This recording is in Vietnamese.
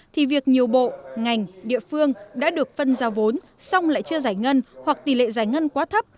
thì việc nhiều bộ ngành địa phương đã được phân giao vốn xong lại chưa giải ngân hoặc tỷ lệ giải ngân quá thấp